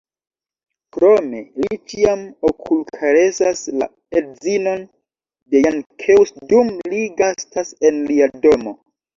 Krome, li ĉiam okulkaresas la edzinon de Jankeus dum li gastas en lia domo.